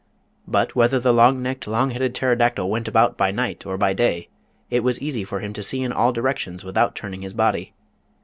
But whether the long necked, long headed Pterodactyl went about by night or by day, it was easy for him to see in all directions without turning his bqdy.